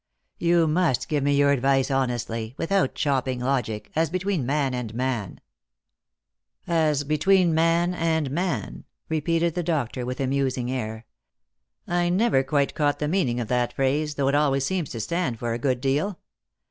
Tou must give me your advice honestly, without chopping logic, as between man and man." Lost for Love. 45 " As between man and man !" repeated the doctor with a musing air. " I never quite caught the meaning of that phrase, though it always seems to stand for a good deal.